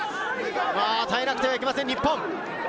耐えなくてはいけません、日本。